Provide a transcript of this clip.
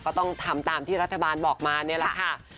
ก็ต้องทำตามที่รัฐบาลบอกมานี่แหละค่ะ